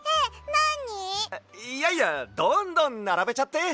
いやいやどんどんならべちゃって！